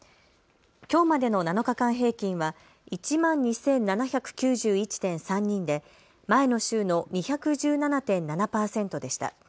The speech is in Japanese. きょうまでの７日間平均は１万２７９１．３人で前の週の２１７．７％でした。